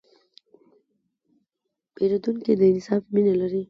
پیرودونکی د انصاف مینه لري.